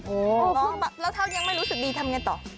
แล้วถ้ายังไม่รู้สึกดีทำอย่างไรต่อ